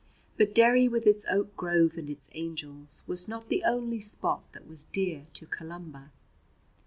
But Derry, with its oak grove and its angels, was not the only spot that was dear to Columba.